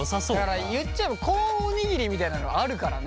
言っちゃえばコーンおにぎりみたいなのあるからね。